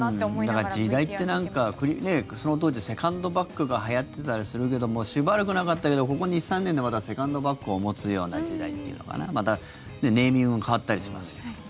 だから、時代ってその当時、セカンドバッグがはやってたりするけどもしばらくなかったけどここ２３年でまたセカンドバッグを持つような時代というのかな。またネーミングも変わったりしますけども。